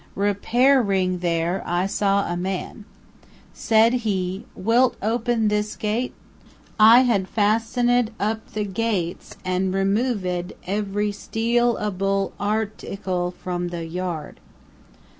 Re pair ing there, I saw a man. Said he, 'Wilt open this gate?' I had fasten ed up the gates and remov ed every steal able ar ticle from the yard."